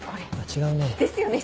違うね。